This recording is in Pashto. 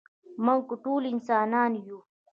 مونږ ټول انسانان يو.